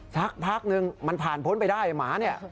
สักพักนึงมันผ่านพ้นไปได้หมาเนี่ย